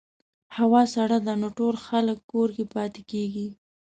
هوا سړه ده، نو ټول خلک کور کې پاتې کېږي.